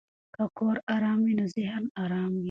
که کور آرام وي نو ذهن آرام وي.